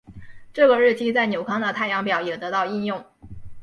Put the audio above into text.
这个日期在纽康的太阳表也得到应用。